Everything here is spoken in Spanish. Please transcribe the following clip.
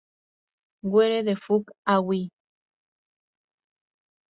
Where The Fuk-A-Wie?